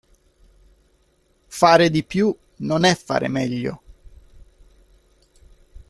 Fare di più non è fare meglio.